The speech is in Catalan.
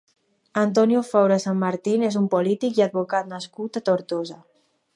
Antonio Faura Sanmartín és un politic i advocat nascut a Tortosa.